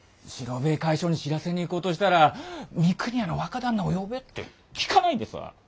兵衛会所に知らせに行こうとしたら「三国屋の若旦那を呼べ」って聞かないんですわ。